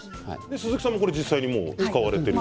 鈴木さんも実際に使われていると。